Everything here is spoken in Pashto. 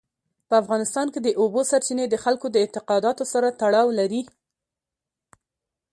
په افغانستان کې د اوبو سرچینې د خلکو د اعتقاداتو سره تړاو لري.